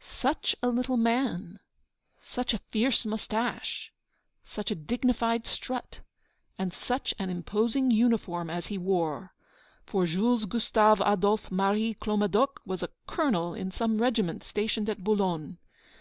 Such a little man! Such a fierce moustache! Such a dignified strut! And such an imposing uniform as he wore! For Jules Gustave Adolphe Marie Clomadoc was a colonel in some regiment stationed at Boulogne.